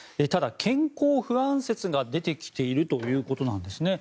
ただ、健康不安説が出てきているということなんです。